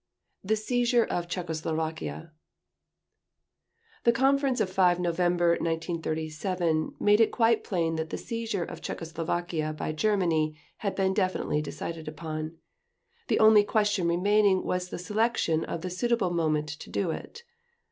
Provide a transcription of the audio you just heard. The Seizure of Czechoslovakia The conference of 5 November 1937 made it quite plain that the seizure of Czechoslovakia by Germany had been definitely decided upon. The only question remaining was the selection of the suitable moment to do it.